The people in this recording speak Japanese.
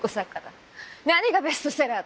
何がベストセラーだ？